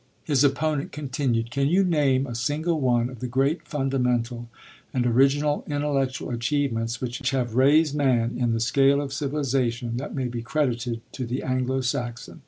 His opponent continued: "Can you name a single one of the great fundamental and original intellectual achievements which have raised man in the scale of civilization that may be credited to the Anglo Saxon?